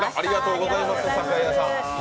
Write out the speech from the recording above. ありがとうございます。